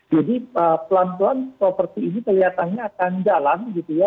jadi pelan pelan properti ini kelihatannya akan jalan gitu ya